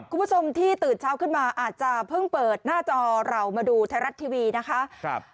คุณผู้ชมที่ตื่นเช้าขึ้นมาอาจจะเพิ่งเปิดหน้าจอเรามาดูไทยรัฐทีวีนะคะ